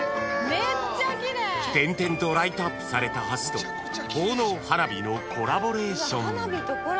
［点々とライトアップされた橋と奉納花火のコラボレーション］